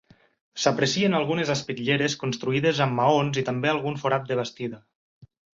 S'aprecien algunes espitlleres construïdes amb maons i també algun forat de bastida.